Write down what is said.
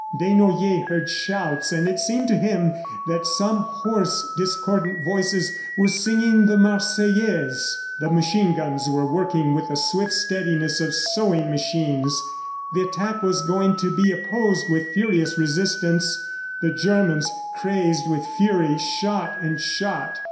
Desnoyers heard shouts, and it seemed to him that some hoarse, discordant voices were singing the Marseillaise. The machine guns were working with the swift steadiness of sewing machines. The attack was going to be opposed with furious resistance. The Germans, crazed with fury, shot and shot.